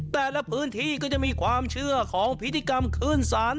แต่ละพื้นที่ก็จะมีความเชื่อของพิธีกรรมขึ้นศาล